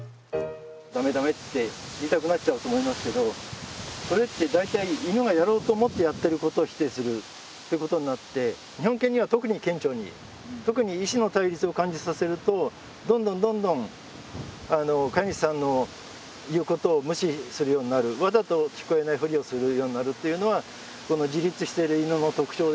駄目駄目って言いたくなっちゃうと思いますけどそれって大体犬がやろうと思ってやってることを否定するってことになって日本犬には特に顕著に特に意思の対立を感じさせるとどんどんどんどん飼い主さんの言うことを無視するようになるわざと聞こえないふりをするようになるっていうのは自立してる犬の特徴ですので。